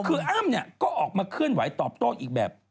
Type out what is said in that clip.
คืออ้ำเนี่ยก็ออกมาเคลื่อนไหวตอบโต้อีกแบบ